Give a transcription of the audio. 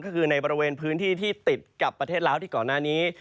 ก็คือในบริเวณพื้นที่ที่ติดกับประเทศลาวที่ก่อนหน้านี้